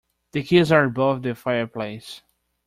The keys are above the fireplace.